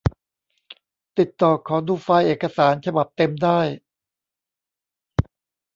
ติดต่อขอดูไฟล์เอกสารฉบับเต็มได้